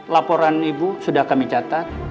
laporan ibu sudah kami catat